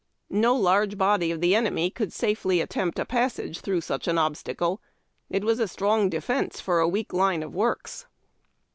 No large body of the enemy could safely attempt a passage through such an obstacle. It was a strong defence for a weak line of works.